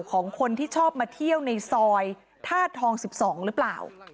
ของคนที่ชอบมาเที่ยวในซอยธาตุทอง๑๒หรือเปล่า